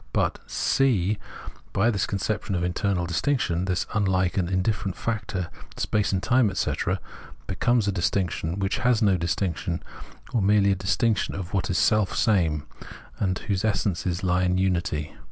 But (c) by this conception of internal distinction, this unUke Understanding I57 and indifierent factor, space and time, etc., becomes a distinction, which is no distinction, or merely a distinction of what is selfsame, and whose essence lies in tinity.